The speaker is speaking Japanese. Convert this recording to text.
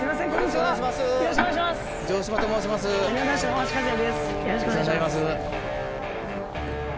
よろしくお願いします。